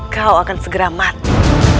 kau akan segera mati